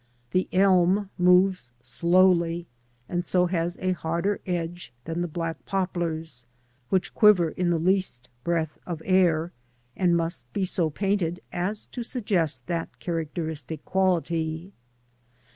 The elm moves slowly and so has a harder edge than the black poplars, which quiver in the "Teast breath of air, and must be so painted as to suggest that characteristic quality.